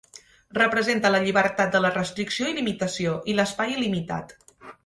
Representa la llibertat de la restricció i limitació, i l'espai il·limitat.